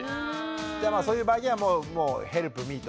じゃあそういう場合にはもうヘルプミーと。